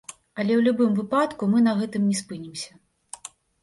Але ў любым выпадку мы на гэтым не спынімся.